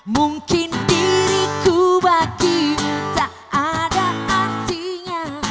mungkin diriku bagimu tak ada artinya